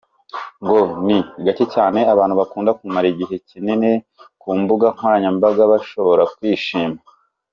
Ngo ni gake cyane abantu bakunda kumara igihe kinini ku mbuga nkoranyambaga bashobora kwishima.